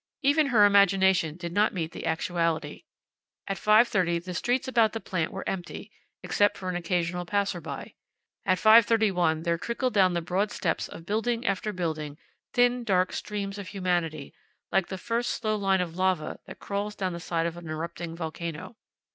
Even her imagination did not meet the actuality. At 5:30 the streets about the plant were empty, except for an occasional passerby. At 5:31 there trickled down the broad steps of building after building thin dark streams of humanity, like the first slow line of lava that crawls down the side of an erupting volcano.